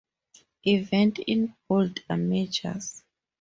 Events in bold are majors.